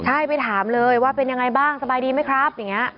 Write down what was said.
ใช่ไปถามเลยว่าเป็นยังไงบ้างสบายดีไหมครับอย่างนี้